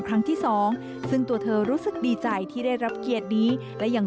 ครั้งที่สองซึ่งตัวเธอรู้สึกดีใจที่ได้รับเกียรตินี้และยัง